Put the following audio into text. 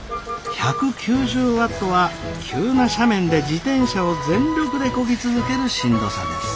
１９０ワットは急な斜面で自転車を全力でこぎ続けるしんどさです。